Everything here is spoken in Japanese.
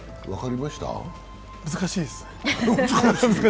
難しいですね。